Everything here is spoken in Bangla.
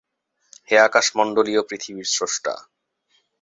হে আকাশমণ্ডলী ও পৃথিবীর স্রষ্টা!